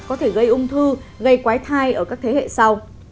có thể gây ung thư gây quái thai ở các thế hệ sau